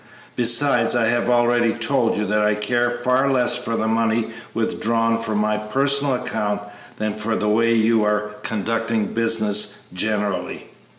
Besides, I have already told you that I care far less for the money withdrawn from my personal account than for the way you are conducting business generally.